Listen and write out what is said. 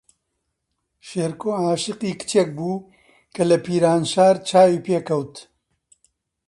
شێرکۆ عاشقی کچێک بوو کە لە پیرانشار چاوی پێ کەوت.